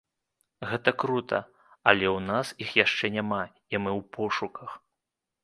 Гэта крута, але ў нас іх яшчэ няма, і мы ў пошуках.